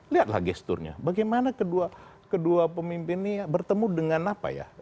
lihatlah gesturnya bagaimana kedua pemimpin ini bertemu dengan apa ya